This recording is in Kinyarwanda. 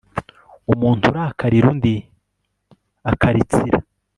umuntu urakarira undi akaritsira